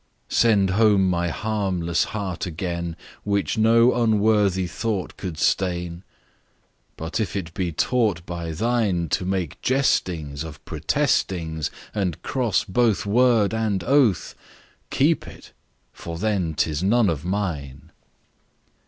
Send home my harmless heart again, Which no unworthy thought could stain; Which if it be taught by thine To make jestings Of protestings, And break both Word and oath, Keep it, for then 'tis none of mine.